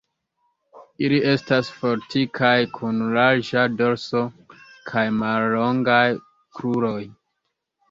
Ili estas fortikaj, kun larĝa dorso kaj mallongaj kruroj.